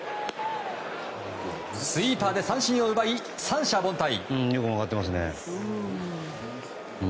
スイーパーで三振を奪い三者凡退。